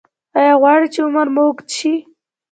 ایا غواړئ چې عمر مو اوږد شي؟